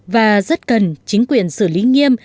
và rất cần chính quyền xử lý nghiêm